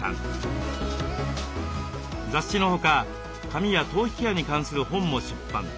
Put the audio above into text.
雑誌のほか髪や頭皮ケアに関する本も出版。